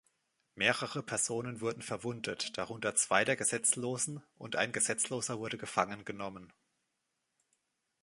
Mehrere Personen wurden verwundet, darunter zwei der Gesetzlosen, und ein Gesetzloser wurde gefangen genommen.